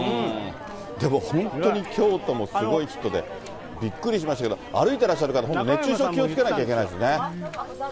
でも本当に京都もすごい人でびっくりしましたけど、歩いてらっしゃる方、本当熱中症気をつけなきゃいけないですね。